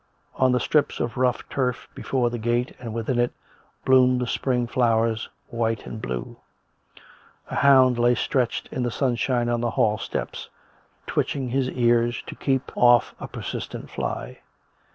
On the strips of rough turf before the gate and within it bloomed the spring flowers, white and blue. A hound lay stretched in the sunshine on the hall steps, twitching his ears to keep off a persistent fly.